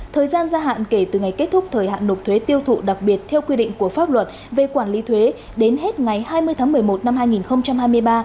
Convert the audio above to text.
thời gian gia hạn kể từ ngày kết thúc thời hạn nộp thuế tiêu thụ đặc biệt theo quy định của pháp luật về quản lý thuế đến hết ngày hai mươi tháng một mươi một năm hai nghìn hai mươi ba